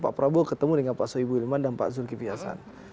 pak prabowo ketemu dengan pak soebu wilman dan pak zulkifiyasan